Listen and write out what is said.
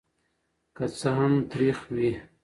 که څه هم تریخ وي.